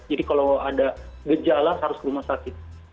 jadi kalau ada gejala harus ke rumah sakit